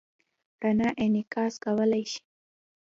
رڼا انعکاس کولی شي.